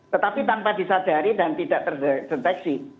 tetapi tanpa disadari dan tidak terdeteksi